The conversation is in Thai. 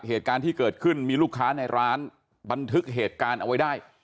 เหตุการณ์ที่เกิดขึ้นมีลูกค้าในร้านบันทึกเหตุการณ์เอาไว้ได้